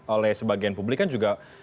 oleh sebagian publik kan juga